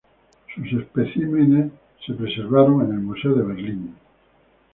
Sus especímenes se preservaron en el Museo de Berlín.